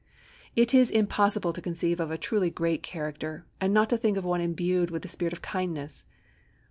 It is impossible to conceive of a truly great character, and not think of one imbued with the spirit of kindness.